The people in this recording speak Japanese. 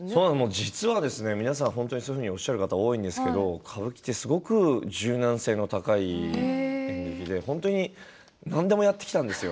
実は皆さんそういうふうにおっしゃる方多いですけど歌舞伎ってすごく柔軟性の高い演劇で何でもやってきたんですよ。